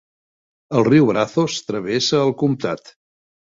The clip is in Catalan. El riu Brazos travessa el comptat.